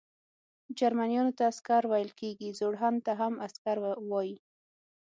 جرمنیانو ته عسکر ویل کیږي، زوړ هن ته هم عسکر وايي.